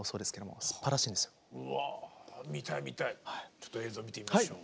ちょっと映像見てみましょう。